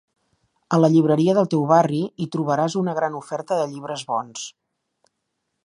A la llibreria del teu barri hi trobaràs una gran oferta de llibres bons.